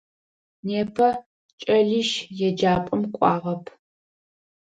Непэ кӏэлищ еджапӏэм кӏуагъэп.